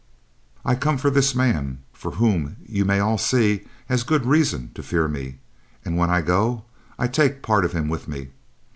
"I come for this man, whom you may all see has good reason to fear me. And when I go, I take part of him with me.